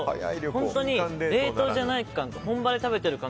本当に冷凍じゃない感